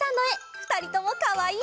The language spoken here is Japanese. ふたりともかわいい！